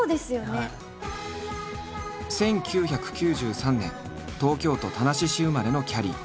１９９３年東京都田無市生まれのきゃりー。